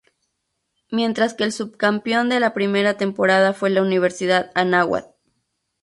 Mientras que el subcampeón de la primera temporada fue la Universidad Anáhuac.